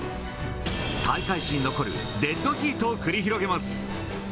大会史に残るデッドヒートを繰り広げます。